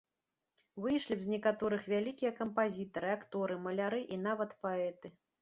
Выйшлі б з некаторых вялікія кампазітары, акторы, маляры і нават паэты.